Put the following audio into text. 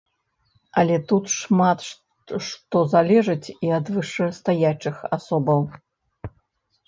Але тут шмат што залежыць і ад вышэйстаячых асобаў.